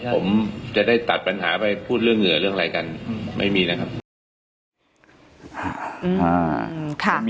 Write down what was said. ผมจะได้ตัดปัญหาไปพูดเรื่องเหงื่อเรื่องอะไรกันไม่มีนะครับ